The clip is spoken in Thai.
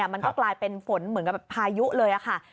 มันก็กลายเป็นฝนเหมือนกับพายุเลยค่ะ